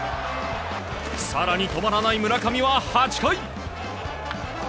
更に止まらない村上は８回。